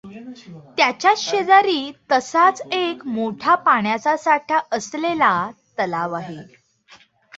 त्याच्याच शेजारी तसाच एक मोठा पाण्याचा साठा असलेला तलाव आहे.